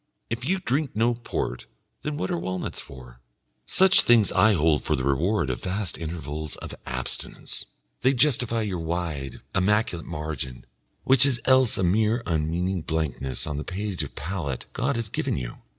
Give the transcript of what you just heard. If you drink no port, then what are walnuts for? Such things I hold for the reward of vast intervals of abstinence; they justify your wide, immaculate margin, which is else a mere unmeaning blankness on the page of palate God has given you!